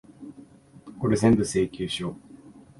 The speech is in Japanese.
これぜんぶ、請求書。